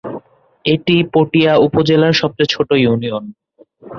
এটি পটিয়া উপজেলার সবচেয়ে ছোট ইউনিয়ন।